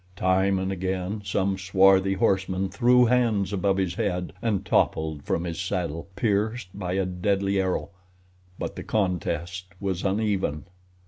Time and again some swarthy horseman threw hands above his head and toppled from his saddle, pierced by a deadly arrow; but the contest was uneven.